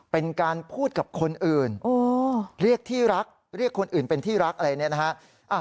เป็นการพูดกับคนอื่นเรียกที่รักเรียกคนอื่นเป็นที่รักอะไรเนี่ยนะฮะ